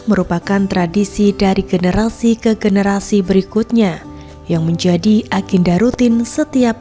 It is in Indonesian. merupakan tradisi dari generasi ke generasi berikutnya yang menjadi agenda rutin setiap